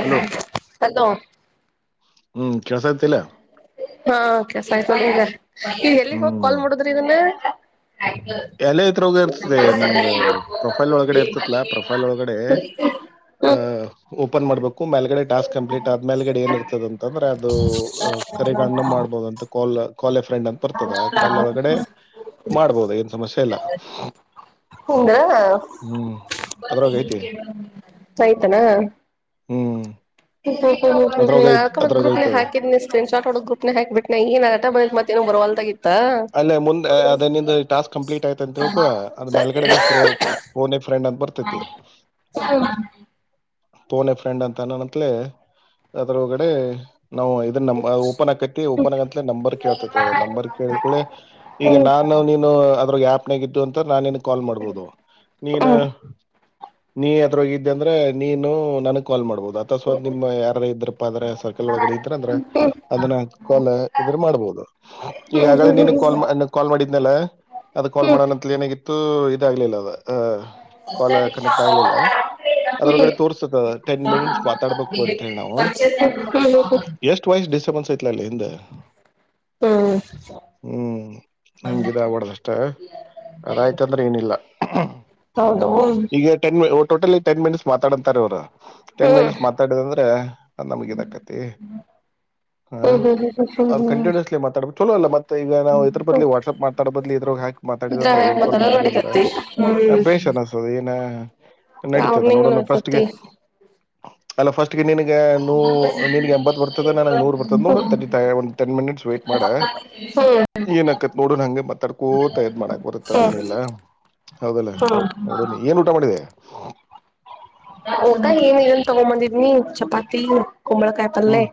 Hello hello ಹ್ಮ್ ಕೆಳ್ಸತಿಲ್ಲ ಹಾ ಸಾಯತ್ಲಗ ಈ ಎಲ್ಲಿಗ್ ಹೋಗಿ ಕಾಲ್ ಮಾಡುದ್ರಿ ಇದನ್ನ ಎಲೆ ಇದರೋಗ ಇರ್ತದೆ ನಮ್ದ ಪ್ರೊಫೈಲ್ ಒಳಗಡೆ ಇರ್ತತ್ಲಾ ಪ್ರೊಫೈಲ್ ಒಳಗಡೆ ಆ ಹ್ಮ್ ಮೇಲ್ಗಡೆ ಟಾಸ್ಕ್ ಕಂಪ್ಲೀಟ್ ಆದ ಮೇಲ್ಗಡೆ ಏನಿರ್ತದೆ ಅಂದ್ರೆ ಅದು ಕರಿಗ್ ಅಣ ಮಾಡ್ಬಹುದು ಅಂತ ಕೋಲ್ ಕಾಲ ಫ್ರೆಂಡ್ ಅಂತ ಬರ್ತದೆ ಕಾಲ ಒಳಗಡೆ ಮಾಡ್ಬೋದು ಸಮಸ್ಯೆ ಇಲ್ಲ ಹಿಂಗ ಹ್ಮ್ ಅದ್ರಾಗ ಐತಿ ಆಯ್ತಾನ ಹ್ಮ್ ಹ ಅದ್ರಾಗ ಐತಿ ಹತ್ ಅದ್ರಾಗ ಗೂಪ್ ನ ಐತದ ಹಾಕಿದ್ನಟ್ ಹ ಗ್ರಪ್ ನ ಹಾಕ್ಬಿಟ್ಟ ಏನ್ಗತ್ತತತ್ತ ಉಮ್ರವಲ್ದ ಅಲ್ಲೇ ಮುಂದ್ ಅದನಂದು ಟಾಸ್ಕ್ ಕಂಪ್ಲೀಟ್ ಆಯ್ತ ಅಂತ ತಿಳ್ಕುವ ಅದ್ ಮೇಲ್ಗಡೆ ಫೋ ಫ್ರೆಂಡ್ ಬರ್ತತಿ ಹ್ಮ ಪೋನೆ ಫ್ರೆಂಡ್ ಅಂತ ನನ್ ಹತ್ಲೆ ಅದ್ರ ಒಗಡೆ ನಾವು ಇದ ನ ಓಪನ್ ಆಕೈತಿ ಓಪನ್ ಆಗಂತ ನಂಬರ್ ಕೇಳ್ತತಿ ನಂಬರ್ ಕೇಳಳ್ಳೆ ಈಗ ಹ್ಮ್ ಹ್ಮ್ ನಾನ ನೀರ ಯ ತ್ತು ಅಂತ ನಾನನ್ ಕಾಲ್ ಮಾಡ್ಬಹುದು ನೀನು ಹ್ಮ್ ಹ್ಮ್ ನೀ ಅದಿದ್ದೆ ಅಂದ್ರೆ ನೀನು ನನ ಕಾಲ್ ಮಾಡ್ಬಹುದು ಅಥ ಸ್ವ ನಿಮ್ಮ ಯಾರ ಇದ್ರಪ್ಪ ಅ್ರಸರ್ಕಲ್ ಒಗಡೆ ಇದ್ರ ಅಂದ್ರೆ ಹ್ಮ್ ಅದನ್ನ ಕಾಲ್ ಮಾಡಬಹುದು ಹ್ಮ್ ಹ್ಮ್ ಈಗಾಗಲೇ ಕ ಕಾಲ್ ಮಾಡಿದ್ನಲ್ಲ ಅದು ಹ್ಮ್ ಕಾಲ್ ಹ್ಮ್ ಮಾಡೋಣಂತ ಏನಾಗಿತ್ತು ಇ ಇದಾಗಲಿಲ್ಲ ಕಾಲ್ ಕನೆಕ್ಟ್ ಆಗ್ಲಿಲ್ಲ ಅದಗಡೆ ತೋರ್ತ ಟೆನ್ ಮಿನಿಟ್ಸ್ ಮಾತಾಡ್ಬೇಕು ಅಂತ ಹೇಳಿ ನಾವು ಹ್ಮ್ ಎಷ್ಟ್ ವ್ಸ್ ಡಿಸ್ಟರ್ನ್ಸ್ ಐ ಲ್ಲಿಂದ ಹ್ಮ ಹ್ಮ ಹಂಗ ಇದ ಆಗ್ಬಡ್ದಷ್ಟೇ ಅದಾಯ್ತ ಅಂದ್ರೆ ಏನಿಲ್ಲ ಹೌದು ಈಗ ಟನ್ ಟೋಟಲ್ ಟೆನ್ ಮಿನಿಟ್ಸ್ ಮಾತಾಡಂತಾರೆ ಅವ್ರು ಟೆನ್ ಹ್ಮ್ ಮಿನಿಟ್ಸ್ ಮಾತಾಡಿದ ಅಂದ್ರೆ ನಮ್ಗ ಇದಕತಿ ಹ್ಮ ಅದ್ ಕಂಟಿನ್ಯೂಸ್ಲಿ ಮಾತಾಡ್ಬು ಚಲೋ ಅಲ್ಲ ಮತ್ತ ಮತ್ತ ಈಗ ನಾವು ಇದ್ರ ಬದಲಿಾಟ್ಸಆಪ್ ಮಾತಾಡ ಬದ್ಲಿ ಇದ್ರ ಹಾಕ್ ಮಾತಾಡ್ ಇದ್ರ ಅಂದ್ರ ಐ್ ಕಾಲ್ ಮದಲ ಮಾತಾಡಿದ್ರ ನಡಿತತಿ ಬೇಷ್ ಅನ್ನಿಸತದೆ ಏನ ನಡೀತದೆ ಅವರ್ನಿಂಗನು ನೋಡಣ ಇರ್ತತಿ ಫಸ್ಟ್ಗೆ ಅಲ್ಲ ಫಸ್ಟ್ ಅಕ್ಕೆ ನಿನಗೆ ನೂ ನಿನಗೆ ಎಂಬತ್ತು ಬರ್ತದ ನನಗೆ ನೂರು ಬರ್ತದ ನೋಡ ತ ಒಂದು ಟೆನ್ ಮಿನಿಟ್ಸ್ ವೆಯ್ಟ್ ಮಾಡೆ ಹ್ಮ ಏನ್ಕತ್ ನೋಡ ಹಂಗೆ ಮತ್ತಾಡ್ಕೋ ತಯದ್ ಮಾಡಕ್ ಬರುತ್ತದ ಹ್ಮ್ ಏನಿಲ್ಲಾ ಹೌದಲ್ಲ ಹ್ಮ್ ನೋಡಣಿ ಏನ್ ಊಟ ಮಾಡಿದೆ ಹದ ಏನ್ ಇದನ್ ತಗೊಂಡ ಬಂದಿದ್ನಿ ಚಪಾತಿ ಕಮಳ ಕಾಯತಾರಲ್ಲ ಹ್ಮ್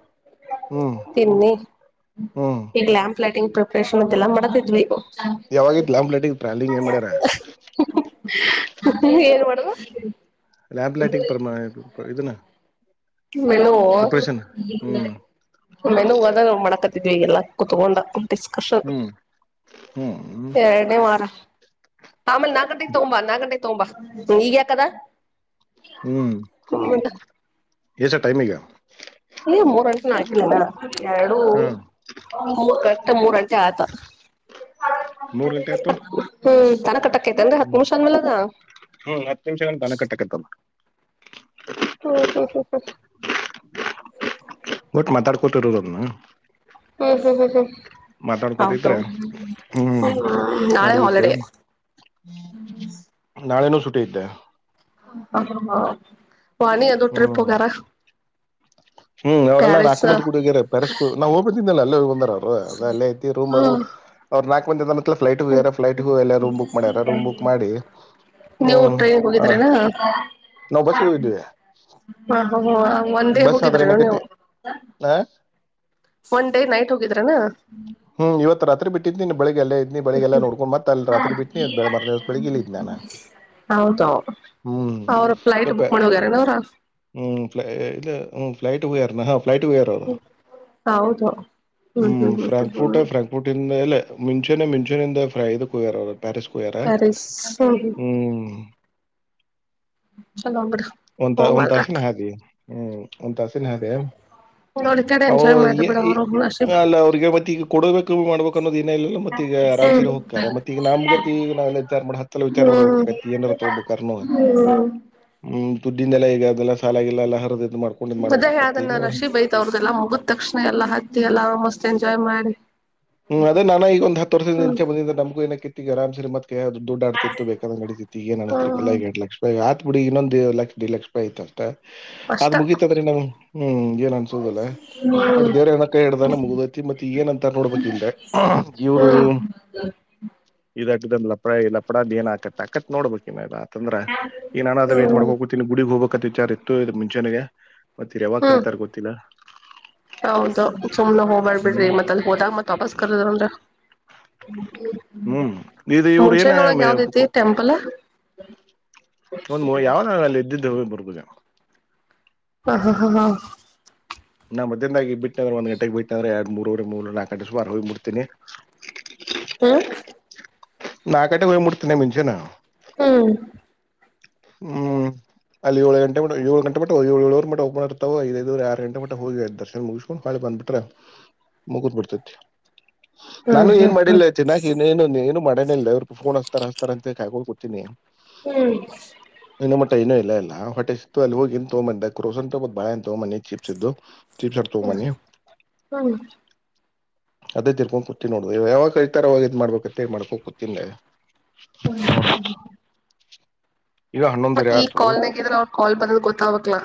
ಹ್ಮ್ ತಿಮನಿ ಹ್ಮ್ ಇಗಲಾಮ ್ಲೈಟಂಗ್ ಪ್ರಿಪರೇಷನ್ ಅ ಎಲ್ಲ ಮಾಡತಿದ್ವಿ ಯಾವಾಗತ್ತು ಲಾಂಪ್ ಲಟಿಗೆ ಪ್ರ್ಯಾಲಿಂಗ್ ಏನ್ ಮಾಡ್ಯಾರ ಏನ್ ಮಾಡುವ ಲ್ಯಾಂಪ್ ಲೈಟಿಂಗ್ ಪರ್ಮಾನಂ ಇನ್ನ ಮೆನು ಹ್ಮ್ ಮೆನು ಹದ ಮಾಡಕ ಎಲ್ಲ ಕುೂತ್ಕೊಂಡೊಂಡ ಡಿಿಸ್ಕಷನ್ ಹ್ಮ್ ಹ್ಮ್ ಹ್ಮ್ ಏಳನೇ ವಾರ ಹಾಮ ನ ಕಟ್ಟಿ ತೋಂಬಾ ನ ಕಟ್ಟ ತೋಂಬಾ ಈಗ ಕದ ಹೌದ ಎ ಸರ್ ಟೈಮಗ ಮೂರ್ ಗಂಟೆ ಆಕಲ ಎರಡು ಹಾ ಕರೆಕ್ ಮೂರ್ ಗಂಟೆ ಆಯ್ತ ಮೂರ್ ಗಂಟೆ ಆಯ್ತು ಹ್ಮ್ ತನ ಕಟ್ಟ ತ ಹಾ ಹ್ಮ್ ಮುುಷನ್ಮಲ್ಲ ನ ಹ್ಮ್ ಹತ್ತು ನಿಮಿಷ ಗಂಟ ದನ ಕಟ್ಟಕತ್ತಲ್ಲ ಹ್ಮ್ ಹ ಸ ಸ ಬಟ್ ಮಾತಾಡ್ಕೊತಿರೋದದನ್ನು ಹ್ಮ್ ಹ್ಮ್ ಹ್ಮ್ ಹ್ಮ್ ಹ್ಮ್ ಹೌದು ನಡದಿದ್ದೆ ನಾಳೆ ಹಾಲಿಡೇ ನಾಳೆನೂ ುಟಿ ಇದ್ದೆ ಹ ಹ ಹ ವಾಣಿ ಅದು ಟ್ರಿಪ್ ಹ್ಮ್ ವಗರ ಹ್ಮ್ ಅವರೆಲ್ಲಾ ನಾಕಂಬತ್ ಕುಡಡುಗ್ಯಾರೆ ಪೆಸ್ ನಾವು ಹೋಗಬತಿದ್ದಿಲ್ಲ ಅ ಒ ಅ ಅಲ್ಲ ಐ ರೂಮ ಅ ಹ್ಮ್ ಅವರು ನಾಲ್ಕು ಮಂದ ಎ ಫ್ಲೈಟ್ ಎರ ಫ್ಲೈಟ್ಗು ಎಲ್ಲ ರೂಮ್ ಬುಕ್ ಮಾಡಿಾರ ರೂ್ ಬುಕ್ ಮಾಡಿ ನೀವು ಹ್ಮ್ ಟ್ರೈನಿಗೆ ಹೋಗಿದ್ರನಾ ಹ ನಾವ್ ಹ ಬಸ್ಸಿಗೆ ಹೋಗಿದ್ವಿ ಹ್ಮ ಒಂದ ೇ ಬಸ್ ಆದ್ರ ಹೋಗಿದ್ರಿ ಏನಕತಿ ನೀವು ಆ ಒನ್ ಡೇ ನೈಟ್ ಹೋಗಿದ್ರನಾ ಹ್ಮ್ ಇವತ್ ರಾತ್ರಿ ಬಿಟ್ಟಿದ್ನಿನ್ ಬೆಳಗ್ ಎಲ್ಲ ಇದ್ಿ ಬೆಳಗ್ಗೆಲ್ಲ ನೋಡ್ಕೊಂಡ್ ಮತ್ ಅಲ್ಲಿ ರತ್ರಿ ಬಿಟ್ನಿ್ಳ ಮ ದಿವಸ ಬೆಳಗ್ಗ ಇಿದ್ ನಾನಾ ಹೌದು ಹ್ಮ್ ಅವ್ರ ಫ್ಲೈಟ್ ಬುಕ್ ಮಾಡಿ ಹೋಗ್ಯಾರೇನ ಅವ್ರ ಹ್ಮ್ ್ಲೈಟ್ಗೋಗಾರ ಹ ಫ್ಲೈಟ್ ವೇರ್ದ ಹೌದು ಹ್ಮ್ ಹ್ಮ ಹ್ಮ್ ಹ್ಮ್ ಹ್ಮ್ ಫ್ರಾಂಕ್ಫರ್ಟ್ ಹ್ಮ್ ಫ್ರಾಂಕ್ಫುರ್ಟ್ ಎಲ್ಲ ಮಿಂಚೂನ ಮಿಂಚೂನಿಂದ ಫ್ರೈ ಇದು ಕುಯ್ಯಾರ ಪ್ಯಾರಿಸ್ ಕುಯ್ಯಾರ ಪ್ಯಾರಿಸ್ ಹ್ಮ್ ಹ್ಮ್ ಚಲೋ ಬಿಡು ಒ ಒಂದ ತಾಸಿನ ಹೋಗಲ್ರಕ್ ಹಾಗೆ ಒಂತಾಸನೆ ಅದೇ ನೋಡಿ ಕಡೆ ಎಂಜಾಯ್ ಮಾಡ್ರಿ ಬಿಡ ಅವ್ರ ನಶೀಬ್ ಅಲ್ಲ ಅವ್ರಿಗೆ ಮತ್ತೆ ಈಗ ಕೊಡಬೇಕು ಮಾಡ್ಬೇಕ ಲ್ಲ ಮತ್ತ ಈಗ ಆರ್ ಸರಿ ಹೋಗ್ತ ಮತ್ತ ಈ ನ್ಗತಿ ಈಗ ನೆಲ್ಲ ವಿಚಾರ ಮಾಡ ಹತ್ತಲ್ಲ ವಿಚಾರ ಹ್ಮ್ ಮಾಡಬೇಕತಿ ಏಾರ ತಗಬೇಕು ಹ್ಮ್ ಹ್ಮ್ ದುಡ್ಡಿಂದೆಲ್ಲ ಈಗ ಅದೆಲ್ಲ ಸಾಲಾಗಿಲ್ಲ ಎಲ್ಲ ಹರಿದದು ಮಾಡ್ಕೊಂಡ ಅದೇ ಹೇಳ ನ ರಶಿ ಬೈತ್ ಅವ್ರ್ದಲ್ಲ ಮುಗಿದ ತಕ್ಷಣ ಎಲ್ಲಾ ಹತ್ತಿ ಎಲ್ಲ ಮಸ್ತ್ ಎಂಜಾಯ್ ಮಾಡಿ ಹ್ಮ್ ಅದ ನಾ ಈಗ ಒಂದು ಹತ್ತು ವರ್ಷದ ಹ್ಮ್ ನಿಂಚ ಬಂದಿದೆ ನಮ್ಗ ಏನಕ್ಕೆಿತ್ತಗ ಆರ್ ಸರಿತ್ತತ್ ಅದು ದುಡ್ ಆಡ್ತಿತ್ತು ಬೇಕಂದಂಗಡತಿ ಈ ಏ ಅಡಸ್ತಾರೆ ಕೆಲ ಹ್ಮ್ ಈ ಎಡ್ ಲಕ್ಷತ್ ಬಿುಡಿ ಇನ್ನೊಂದು ಲಕ್ಷಡ್ ಲಕ್ಷ ರೂಾಯಯತದೆ ಅದ ಅಷ್ಟ ಮುಗಿತಾದ್ರೆ ನ ಹ್ಮ್ ಏನ್ ಅನ್ಸೋದಿಲ್ಲ ಬ ಹ್ಮ್ ಬೇವ ಏನ ಕೈಡ್ದ ಮುಗದೈತಿತ್ತ ಏನ್ಂತ ನೋಡ್ಬೇಕು ಇ ಇವರು ಹ್ಮ್ ಇದ ಇದ ಲಪ್ ಲಪಡದ ಏನ್ ಆಕತ್ತ ಆಕತ್ ನೋಡ್ಬೇಕು ಅಂದ್ರೆಏನಾನ ಅ ವೇಟ್ ಹ್ಮ್ ಮಾಡ್ಕೋಬತೀನಿ ಗುಡಿಗ್ ಹೋಗ್ಬೇಕತ್ತ ವಿಚಾರ್ ಇತ್ತು ಇದು ಮುಂಚೆಾನಾಗ ಮತ್ತ ರ ಯಾವಾಗ ಹ್ಮ್ ಕರಿತಾರ್ ಗೊತ್ತಿನಾ ಹೌದು ಸುಮ್ನೆ ಹೋಗ್ಬ್ಯಾ ಹ್ಮ್ ಬಿಡ್ರಿ ಮತ್ತ ಅಲ್ ಹೋದಾಗ ಮತ್ ವಾಪಸ್ ಕರ್ದನ್ರ ಹ್ಮ್ ಇದು ಇವ್ರ ಏನ ಮುಂಚೈನ್ ಒಳ ಗ ಯಾವದತಿ ೆಂಪಲ್ ಒಂದ್ ಯಾವ ಅಲ್ಲಿ ಎದ್ದಿದ್ದು ಹೋಗ ಬರ್ಬುದ ಹ ಹಾ ಹಾ ಹಾ ನಾ ಮದಾಗಿ ಬಿಟ್ಟುಂದ್ರೆ ಒಂದ್ ಗಂಟೆಗೆ ಬಿಟ್ಟ ಅಂದ್ರೆ ಎರಡು ಮೂರೂರೆ ಮೂ ನಾಕ ಗಂಟೆ ಸುಾರು ಹೋಗಿಬಡ್ತೀನಿ ಹ್ಮ ನಾಕಡೆೆ ಹೋಗಿ ಮುಡ್ತನ ಮುಂಚೆನ ಹ್ಮ್ ಹ್ಮ್ ಅಲ್ಲಿ ಏಳ ಗಂಟೆ ಏಳ ಗಟೆಟ್ಟ ಏಳುವರು ಮ ಪನ್ ಇರ್ತವೆ ಐದುರು ಆರ ಗಂಟ ಮಟ್ಟ ಹೋಗಿ ದರ್ಶನ್ ಮುಗ್ಕೊಂಡ ಮಾಳೆ ಬಂದ್ಬಿಟ್ರೆ ಮುಗುದ್ ಬಿಡ್ತೇತಿ ಹ್ಮ್ ನಾನು ಏನ್ ಹ್ಮ್ ಮಾಡಿಲ್ಲ ಚನ್ನಕಕ್ ಇ ಏನು ಮಾಡೇ ಇಲ್ಲ ಇವ್ರ ಫೋನ್ ರತರಂತೆ ಕಾಯಬೋ ಕೊಟ್ಟ ನೀ ಹ್ಮ್ ಇನ್ನ ಮಟ್ಟ ಇಏನೂ ಇಲ್ಲ ಇಲ್ಲಾ ಹೊಟ್ಟೆ ಸಿತ್ತು ಅಲ್ಲಿ ಹೋಗಿಂತ ತಗೊ ಬಂದ ಕ್ರೋಸಟ ಬಾಳ ಅಂತ ಮನಿ ಚಿಪ್ಸ್ ಇದ್ದು ಚಿಪ್ಸ್ ಹಡ್ತ ಮನಿ ಹ್ಮ್ ಹ್ಮ್ ಅದೇ ತಿರ್ಕೊಂಡು ಕುೂತೀ ನೋಡದು ಯಾವಾಗ ಕಳತಾರ ಅವಾಗ ಇದ್ ಮಾಡ್ಬೇಕಂತ ಮಾಡ್ಕೊಂಡ ಕುೂತ್ಲೆ ಹ ಹ ಈಗ ಮತ್ತ ಹನ್ನೊಂದುವರೆ ಈ ಆತು ಕಾಲ್ ನಾಗ ಇದ್ರೆ ಅವ್ರ ಕಾಲ್ ಬದ್ ಗೊತ್ತಾಗಕ್ಲ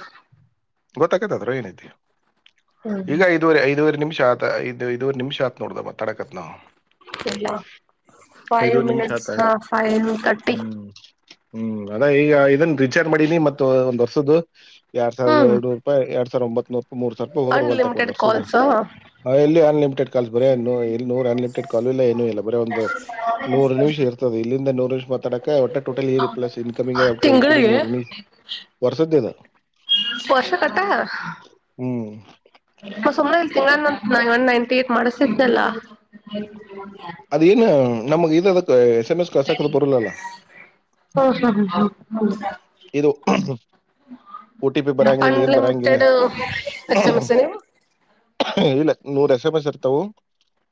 ಗೊತ್ತಕತ್ದ್ರ ಏನೈತಿ ಹ್ಮ್ ಈಗ ಐದುವರೆ ಐದುವರೆ ನಿಮಿಷ [unintelligible] ಇದು ಇದು ನಿಮಿಷ ಆತ್ ನೋಡ್ದ ತಡಕತ್ [unintelligible] ನಾವು ಇಲ್ಲ ಫೈವ್ ಐದುವರೆ ನಿಮಿಷ ಮಿನಿಟ್ ಆತ [unintelligible] ಹಾ ಫೈವ್ ತರ್ಟಿ ಹ್ಮ್ ಹ್ಮ್ ಅದ ಈಗ ಇದನ್ ರಿಚಾರ್ಜ್ ಮಾಡಿನಿ ಮತ್ತ ಒಂದ್ ವರ್ಷದ್ದ ಎರಡ ಹ್ಮ್ ಸಾವಿರದ [unintelligible] ಎರಡ್ ಸಾವಿರ ಒಂಬತಪ್ [unintelligible] ಮೂರ್ ಅನ್ಲಿಮಿಟೆಡ್ [unintelligible] ಕಾಲ್ಸ್ ಹ ಎಲ್ಲಿ ಅನ್ಲಿಮಿಟೆಡ್ ಕಾಲ್ ಬರೇ ಇಲ್ಲಿ ನೂರ್ ಅನ್ಲಿಮಿಟೆಡ್ ಕಾಲ್ ಇಲ್ಲ ಏನು ಇಲ್ಲ ಬರೆ ಒಂದ ನೂರು ನಿಮಿಷ [unintelligible] [unintelligible] ಇಲ್ಲಿಂದ ನೂರು ನಿಮಿಷ ಮಾತಾಡಕ ಒಟ್ಟ ಟೋಟಲ್ ಇರಿ [unintelligible] ಪ್ಲಸ್ ಇನ್ಕಮಿಂಗ್ ಅಪ ತಿಂಗಳಿಗೆ ಗೋಯಿಂಗ್ [unintelligible] ವರ್ಸದೇ [unintelligible] [unintelligible] ಹ್ಮ್ ಮ ಸುಮನೆ ಇಲ್ [unintelligible] ಒನ್ ನೈನ್ಟಿ ಏಟ್ ಮಾಡಸಿದನಲ್ಲ ಅದೇಏನು ನಮಗ್ ಇ [unintelligible] [unintelligible] ಇದು ಒ ಟಿ ಪಿ ಬರಂಗಿಲ್ಲ ಏನ್ ಬರಂಗಿಲ್ಲ ಅನ್ಲಿಮಿಟೆಡ್ ಎಸ್ ಎಂ ಎಸ್ ನೀವು ಇಲ್ಲ. ನೂರ್ ಎಸ್ ಎಂಎಸ್ ಇರ್ತಾವು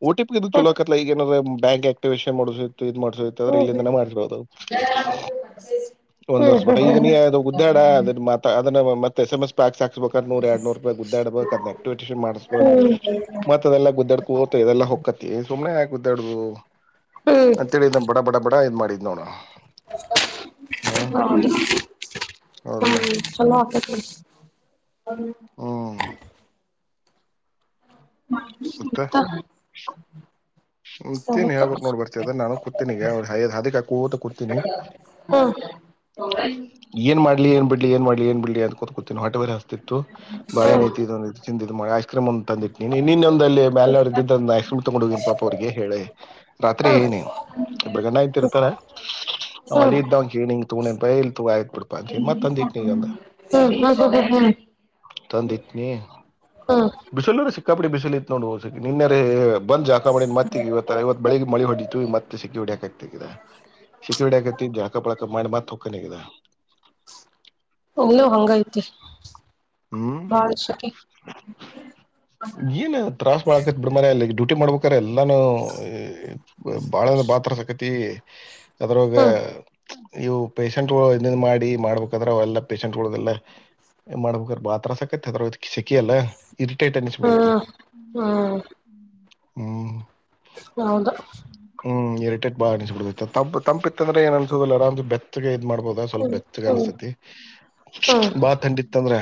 ಒ ಟಿ ಪಿ ಇದು ಚಲೋಕತ್ತಲ್ಲ ಹ್ಮ ಈಗೇನಾದ್ ಬ್ಯಾಂಕ್ ಆಕ್ಟಿವೇಷನ್ ಮಾಡ [unintelligible] [unintelligible] ಹ್ಮ್ ಇಲ್ಲಿಂದನ ಮಾಡಿರ್ಬೋದು ಒಂದ್ ವರ್ [unintelligible] ಹ್ಮ್ ಹ್ಮ್ ಪ್ಯಾಕ್ ಹಕ್ಬೇಕ ಅ ನೂರ ಎರಡ್ ನೂರ್ ರೂಪಾಯಿ ಗುದ್ದಾಡಬೇಕಕ್ ಅ [unintelligible] ಎಕ್ಟಿವಿಟೇಷ ಮಾಡ್ಬೇಕಕ್ ಹ್ಮ್ ಮತ್ದೆಲ್ಲ ಗುದ್ದಾಡ್ಕ ಹ ಇದೆಲ್ಲಾ ಹೊಕ್ಕತ್ತಿ ಸುಮನೆ ಯಾಕ ಗದಾಡ್ದು. ಹ್ಮ್ ಅಂತ್ ತಿಳಿ ಹ್ಮ್ ಬಡ ಬಡ ಬಡ ಇದ್ ಮಾಡಿದ್ ನೋಡ ಹ್ಮ [unintelligible] ಹ್ಮ ಚಲೋ [unintelligible] ಹ್ಮ್ [unintelligible] ಮತ್ತೆ ಮತ್ತ ಸವಕ [unintelligible] ಹಾ ಏನ್ ಮಾಡ್ಲಿ ಏನ್ ಬಿಟ್ [unintelligible] ಹ್ಮ್ [unintelligible] ಅವ್ರಿಗೆ ಹೇಳೆ [unintelligible] ರಾತ್ರಿ ಹ್ಮ್ ಏನಿ [unintelligible] ಹ್ಮ್ [unintelligible] ಹ್ಮ್ ಹ್ಮ್ ಹ್ಮ್ ಹ್ಮ್ [unintelligible] [unintelligible] ಸಿಕ್ಕಾಪಟ್ಟೆ ಬಿಸಿಲು [unintelligible] [unintelligible] ಇಲ್ಲೂ ಹಂಗೈತಿ ಹ್ಮ್ ಬಾಳ ಶಕೆ [unintelligible] ಡ್ಯೂಟಿ ಮಾಡ್ಬೇಕ್ರ ಎಲ್ಲಾನು ಬಾಳನ [unintelligible] ಬಾತ್ರ ಸಕತಿ ಅದ್ರಾಗ ಹ್ಮ್ ಇವು ಪೇಷೆಂಟ್ಗಳು [unintelligible] ಮಾಡಿ ಮಾಡ್ಬೇಕಾದ್ರ ಎಲ್ಲಾ ಪೇಷೆಂಟ್ಗಳಗೆಲ್ಲ [unintelligible] [unintelligible] ಇರಿಟೇಟ್ ಅನ್ನಿಸಬಿಡ್ತತೆ [unintelligible] ಹ್ಮ್ ಹ್ಮ್ ಹ್ಮ್ ಹೌದು ಹ್ಮ್ [unintelligible] ಮಾಡ್ಬೋದ ಸ್ವಲ್ಪ ಹ್ಮ್ ಬೆಚ್ಚಗ ಹ್ಮ್ ಅನ್ಸ್ತತಿ ಹ್ಮ್ ಬಾ [unintelligible] ಥಂಡಿ ಇತ್ತಂದ್ರೆ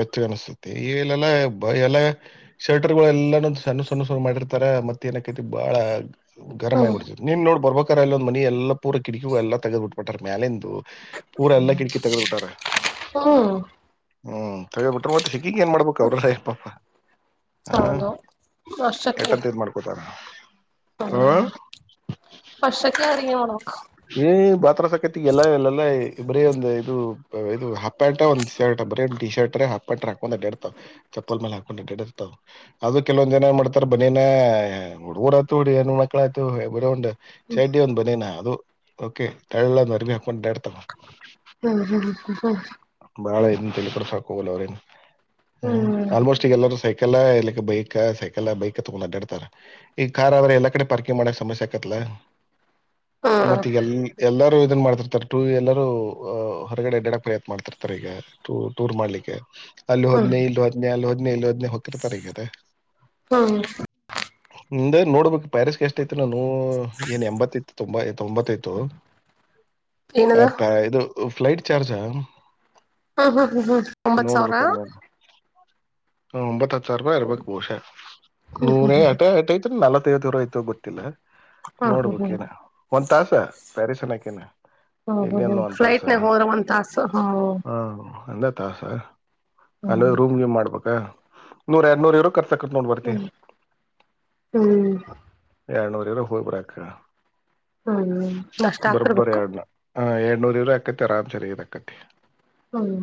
ಬೆಚ್ಚಗ್ ಅನ್ಸುತ್ತೆ [unintelligible] [unintelligible] ಶರ್ಟರ್ಗಳು ಎಲ್ಲಾನ ಸಣ್ಣ ಸಣ್ಣ [unintelligible] ಮಾಡಿರ್ತಾರೆ ಮತ್ತ ಏನಕೈತಿ ಬಹಳ ಗರಮ್ ಹ್ಮ್ [unintelligible] ನೀನ್ ನೋಡ್ ಬರ್ [unintelligible] ಒಂದ ಮನಿ ಎಲ್ಲ ಪೂರ ಕಿಟಕಿಗಳು ಎಲ್ಲ ತಗದ್ ಬಿಟ್ಬಿಟ್ಟಾರ್ ಮೇಲೆಂದು ಪೂರ ಎಲ್ಲ ಕಿಟಕಿ ತೆಗ್ಬ ಬಿಟಾರ ಹ್ಮ [unintelligible] ಕೌರಲ್ಲ ಪಾಪ ಹ ಹೌದು ಅಷ್ಟಕ್ಕೆ ಎಟ್ಟಂತ ಇದ ಮಾಡ್ಕೊತಾರ ಹ್ಮ್ ಹ್ಮ ಅಷ್ಟಕ್ಕೆ ಅಡಿಗೆ ಮಾಡ್ಬೇಕು ಏ ಬಾತ್ರಾಸಕೇತಿಗೆ ಎಲ್ಲ ಎಲ್ಲಲ್ಲ ಬರೀ ಒಂದು ಇ ಇದು ಹಾಫ್ ಪ್ಯಾಂಟ್ ಒಂದು ಶರ್ಟ್ ಬರೀ ಒಂದು ಟಿ ಶರ್ಟ್ ರೆ ಹಾ್ ಪ್ಯಾಂಟ್್ರೆ ಹಾಕೊಂಡ್ ಅಡ್ಡಿ ಇರ್ತ್ ಚಪ್ಪಲ್ ಮೇಲೆ ಹಾಕೊಂಡು ಡ ಇರ್ತಾವ ಅದು ಕೆಲವೊಂದ ಜನ ಮಾಡ್ತಾರ ಬನೇನ ಹುಡಗಡಏ ಮಕ್ಕಳಾಯ್ತು ಬರ್ ಚಡ್ಡಿ ಒಂದ್ ಬನನಾ ಅದು ಕೆ ತಳ್ಳರ್ು ಒೊಂಡಡ್ ತ ಹ್ಮ್ ಹ್ಮ್ ಬಾಳ ನ್ ತಿಳ್ಕಡಕೋಗ ಅವ್ರೇ ಆಲ್ಮೋಸ್ಟ್ ಈಗಲ್ಲೂ ಸೈ ಸೈಕಲ್ ಇಲ್ಲಿಕ್ಕೆ ಬೈಕ್ ಸೈಕಲ್ ಬೈಕ್ ತಗೊಂಡ್ ಅಡ್ಡಾಡ್ತಾರ ಈ ಕಾರ್ ಆದ್ರ ಎಲ್ಲಾ ಕಡೆ ಪಾರ್ಕಿಂಗ್ ಮಾಡಕ್ ಸಮಸ್ಯೆ ಆಕತ್ಾ ಹ್ಮ್ ಹ್ಮ್ ಮತ್ತ ಈಗ ಎಲ್ಲ ಎಲ್ಲಾರೂ ಇದನ್ ಮಾಡ್ತಿರ್ತಾರೆ ಟೂ ಎಲ್ಲರೂ ಹೊರಗಡೆ ಡಡಕ್ ಪ್ರಯತ್ನ ಮಾಡ್ತಿರ್ತಾರೆ ಈಗ ಟ ಟೂರ್ ಮಾಡ್ಲಿಕ್ಕೆ ಹ್ಮ್ ಅ್ೇ ಇಲ್ಲ ಹದ್ನೇ ಅಲ್ಲೋದ್ನ ಇಲ್ಲೋದ್ನನೆ ಹಕಿರ್ತಾರಕತೆ ಹ್ಮ್ ಹ ನೋಡ್ಬೇಕು ಪ್ಯಾರಿಸ್ಗೆಷ್ಟಯ್ತು ನಾನು ಏನ್ ಎಂಬತ್ತ್ತ ತೊಂಬ ತೊಂಬತ್ತಾಯ್ತು ಅ ಏನದ ಪ ಇದು ಫ್ಲೈಟ್ ಚಾರ್ಜಾ ಹ್ಮ ಹ್ಮ್ ಹ್ಮ ಹ್ಮ್ ಒಂಬತ್ ಸಾವಿರ ಒಂಬತ್ ಹತ್ತು ಸಾವರ ರೂಪಾಯಿ ಇರ್ಬೇಕಕ್ ಬಹುಶ ನೂರೇ ಹಟೆ ಎಟ ಐತ್ ನಲ್ತ್ ರ ಆಯ್ತು ಗೊತ್ತಿಲ್ಲ ಹ್ಮ್ ಹ್ಮ್ ಹ್ಮ್ ನೋಡ್ಬೇಕಕ್ ನ ಹ್ಮ್ ಒಂದ್ ತಾಸ ಪ್ಯಾರಿಸ್ ಅನಕ ನಾ ಇಲ್ಲಿ ಹ್ಮ್ ಅನ್ನು ಹ್ಮ್ ಅಂತಸ ಫ್ಲೈಟ್ನಾಗ ಹೋದ್ರ ಒಂದ್ ತಾಸು ಹ್ಮ್ ಹ್ಮ ಅಂದ ತಾಸ ಅಂದ ಹ್ಮ್ ರೂಮ್ ಗೇಮ್ ಮಾಡ್ಬೇಕ ನೂರ್ ಎರಡ್ ನೂರ್ ಇರು ಕರ್ತ ಹ್ಮ್ ಹ್ಮ್ ಎರ ನವರಲ್ಲ ಹೋಗಬರಾಖ ಹ್ಮ್ ಮಷ್ಟ ಹಾಕರ್ಬೇಕು ಹ ಎಏಡ್ನೂರು ಇೂರು ಅಕತ್ತತಿ ಆರಾಮ ಸಾರಿ್ ಅಕತ್ತತಿ ಹ್ಮ್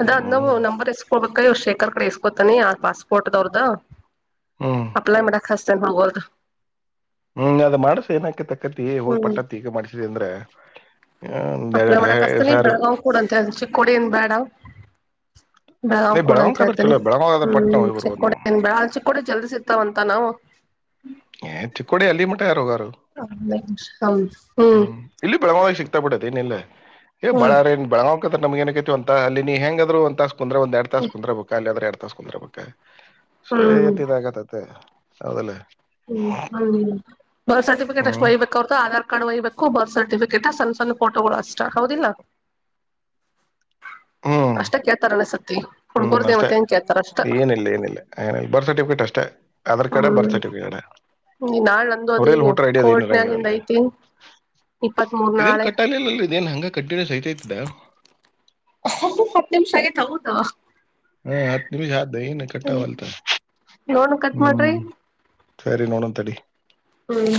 ಅದ ಅದ್ ನಾವು ನಂಬರ್ ಎಷ್ಟ ಹೋಗಬೇಕ ಇವ್ ಶೇಖರ್ ಕಡೆ ಇಸ್ಕೋತಾನಿ ಆ ಪಾಸ್ಪೋರ್ಟ್ವ್ರದ್ದ ಹ್ಮ್ ಅಪ್ಲೈ ಮಾಡಕ ಹ ಚೆನ್ನ ಹೋಗೋದು ಹ್ಮ್ ಅದ ಮಾಡ್ಸ ಏನಕತಕ್ಕತಿ ಹ ಹ್ಮ್ ಪಟ್ಟತ್ ಈಗ ಮಾಡ್ಸಿದೆ ಅಂದ್ರೆ ಅಲ ಎರಡ್ ಒಡ ಕಸ್ತ ನೀ ಸರ್ ಬೆಳಗಾವ ಕೂಡಂತ ಚಿಕ್ಕೋಡಿ ಏನು ಬ್ಯಾಡ ಬೆ್ ನೀ ಕೊಡ ಅಂತ ಬೆಳಗಾವ್ ಆದ್ರೆ ಹೇಳ್ತೇನಿ ಚಲೋ ಬೆಳಗಾವ್ ಆದ್ರೆ ಪಟ್ನ ಹ್ಮ್ ಹೋಗಿ ಬರ್ಬೋದು ಚಿಕ್ಕೋ ನಾವು ಚಿಕ್ಕೋಡಿ ಜಲ್ದಿ ಸಿಗ್ತಾವಂತ ನಾವು ಎ ತುಕ್ಕಡಿ ಅಲ್ಲಿ ಮಟ ಯಾರೋಗಾರು ಹ್ಮ್ ಇಲ್ಲಿ ಬೆಳಮಾವವಾಗಿ ಸಿಕ್ತಾ ಬಿಟ್ಟತಿ ಏನಿಲ್ಲ ಏ ಹ್ಮ್ ಬಾಾರನ್ ಬಳಾವಕ ನಮ್ ಏನ ಅಂತ ಅಲ್ಲಿ ನೀ ಹೆಂಗಾದ್ರು ಅಂತ ಕುಂದ್ರೆ ಒಂದ ಎರಡ್ ತಾಸ ಕುಂದ್ರ ಬೇಕಾ ಅಲ್ಲಿ ಆದ್ರೆ ಎರಡ್ ತಾಸ ಕುಂದರ್ ಬಬೇಕಾ ಸೊ ಹ್ಮ್ ಆಾಗತತೆ ಹೌದಲ್ಲ ಹ್ಮ್ ಹ್ಮ್ ಬರ್ತ್ ಸರ್ಟಿಫಿಕೇಟ್ ಎಷ್ಟ್ ಹ್ಮ್ ಒಯ್ಬೇಕಕ್ ಹೊರತ ಆಧಾರ್ ಕಾರ್ಡ್ ಒಯ್ಬೇಕು ಬರ್ತ್ ಸರ್ಟಿಫಿಕೇಟ್ಾ ಸಣ್ಣ ಸಣ್ಣ ಫೋಟೋಗಳು ಅಷ್ಟ ಹೌದಿಲ್ಲ ಹ್ಮ್ ಅಷ್ಟ ಕೇಳ್ತಾರೆ ಅನಸುತ್ತ ಹ್ಮ್ ಅಷ್ಟೇ ಏನಿಲ್ಲ ಏನಿಲ್ಲ ಏನಿಲ್ಲ ಬರ್ತ್ ಸರ್ಟಿಫಿಕೇಟ್ ಅಷ್ಟೇ ಆಧಾರ್ ಕಾರ್ಡ ಬರ್ತ್ ಹ್ಮ್ ಸರ್ಟಿಫಿಕೇಟ್ ಈ ನಾಳ್ ನಂದು ಅದ ಅವ್ರಲ್ಲಿ ಹೋಟ್ರ ಐಡಿಯದೆ ಕೋರ್ಟ್ನಾಗಿಂದ ನಂಗರಲ್ಲ ಐತಿ ಇಪ್ಪತ್ತ್ ಮೂರ್ ಇದೇನು ನಾಳೆ ಕಟ್ಟಲಿಲ್ಲಲ್ರಿೀ ನೀಏನ್ ಹಂಗ ಕಂಟಿನ್ಯೂ ಸಹತಾ ಇದತಿದ್ದ ಹ ಮತ್ತೆಮ ಸಗ ಹವ ಅವೆ ಹಾ ಹ ನಿಮಿಷ ಹಾ ದ ಕಟ್ಟಾ ವಲ್ತ ನೋಣ ಕತ್ ಮಾಡ್ರಿ [inaudible] ಸರಿ ನೋಡಂತಡಿ ಹ್ಮ್